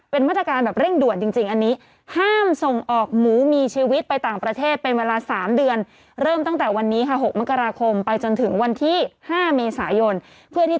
๑เป็นมาตรการแบบเร่งด่วนจริงอันนี้